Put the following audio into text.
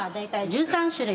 １３種類！？